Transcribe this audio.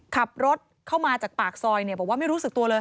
ขับรถเข้ามาจากปากซอยบอกว่าไม่รู้สึกตัวเลย